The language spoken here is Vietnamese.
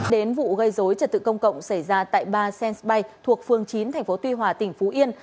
đến vụ gây dối trật tự công cộng xảy ra tại bar sense bay thuộc phương chín tp tuy hòa tỉnh phú yên